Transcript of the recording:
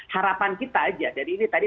harapan kita aja jadi ini tadi